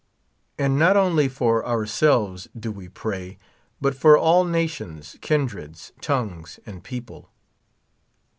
And not only for ourselves do we pray, but for all nations, kindreds, tongues, and people.